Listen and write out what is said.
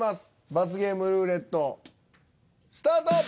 罰ゲームルーレットスタート。